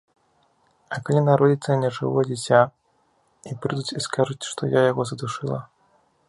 А калі народзіцца нежывое дзіця, і прыйдуць і скажуць, што я яго задушыла?